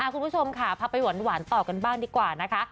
คุณผู้ชมค่ะพาไปหวานต่อกันบ้างดีกว่านะคะ